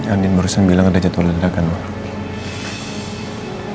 andin barusan bilang ada jadwal lidah kan mak